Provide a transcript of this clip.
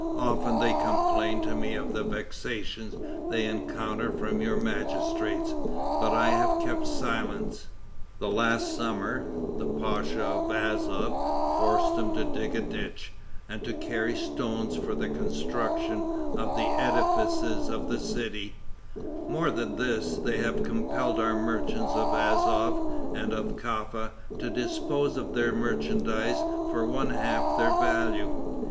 Often they complain to me of the vexations they encounter from your magistrates, but I have kept silence. The last summer, the pacha of Azof forced them to dig a ditch, and to carry stones for the construction of the edifices of the city; more than this, they have compelled our merchants of Azof and of Caffa to dispose of their merchandise for one half their value.